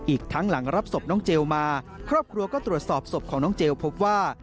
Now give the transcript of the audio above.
อีกทั้งหลังรับศพน้องเจลมาครอบครัวก็ตรวจสอบศพของน้องเจลพบว่า